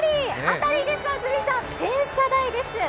当たりです、安住さん、転車台です。